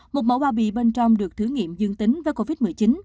một mẫu bao bì bên trong được thử nghiệm dương tính với covid một mươi chín